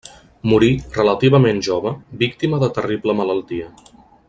Morí, relativament jove, víctima de terrible malaltia.